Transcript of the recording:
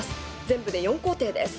全部で４工程です。